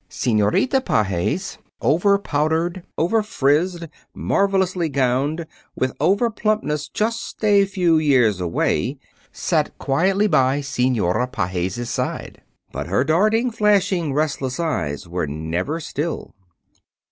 Senorita Pages, over powdered, overfrizzed, marvelously gowned, with overplumpness just a few years away, sat quietly by Senora Pages' side, but her darting, flashing, restless eyes were never still.